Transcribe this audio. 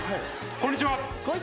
こんにちは！